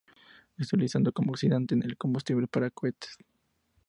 Es utilizado como oxidante en el combustibles para cohetes.